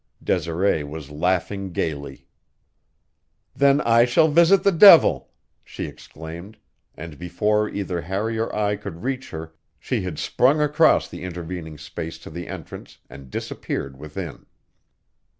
Desiree was laughing gaily. "Then I shall visit the devil!" she exclaimed, and before either Harry or I could reach her she had sprung across the intervening space to the entrance and disappeared within.